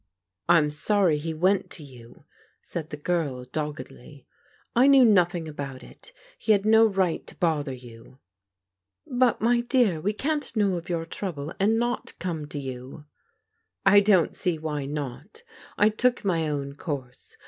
" I'm sorry he went to you," said the girl doggedly. " I knew nothing about it. He had no right to bother you." " But, my dear, we can't know of your trouble and not come to you." " I don't see why not. I took my own course.